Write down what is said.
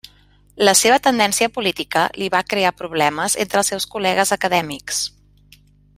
La seva tendència política li va crear problemes entre els seus col·legues acadèmics.